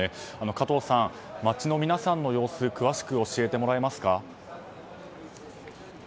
加藤さん、街の皆さんの様子詳しく教えてもらえますか。